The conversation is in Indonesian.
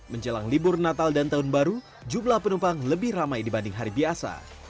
menjelang libur natal dan tahun baru jumlah penumpang lebih ramai dibanding hari biasa